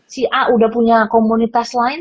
si a udah punya komunitas lain